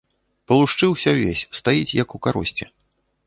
Палушчыўся ўвесь, стаіць, як у каросце.